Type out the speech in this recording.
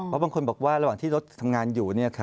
เพราะบางคนบอกว่าระหว่างที่รถทำงานอยู่